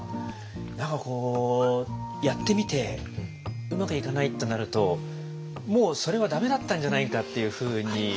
何かこうやってみてうまくいかないってなるともうそれはダメだったんじゃないかっていうふうに。